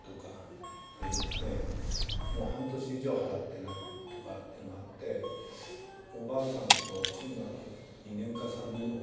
もう半年以上払ってないとかっていうのがあっておばあさんと中学２年か３年の子がいるうちだった。